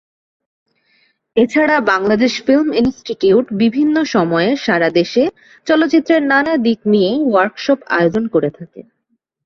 এছাড়া Bangladesh film institute বিভিন্ন সময়ে সারা দেশে চলচ্চিত্রের নানা দিক নিয়ে ওয়ার্কশপ আয়োজন করে থাকে।